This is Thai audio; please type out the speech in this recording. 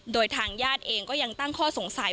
โดยทางญาติเองก็ยังตั้งข้อสงสัย